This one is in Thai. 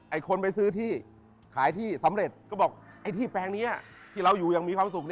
คนไปซื้อที่ขายที่สำเร็จก็บอกไอ้ที่แปลงนี้ที่เราอยู่อย่างมีความสุข